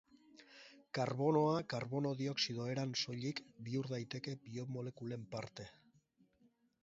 Karbonoa karbono dioxido eran soilik bihur daiteke biomolekulen parte.